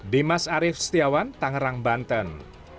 dimas arief setiawan tangerang banten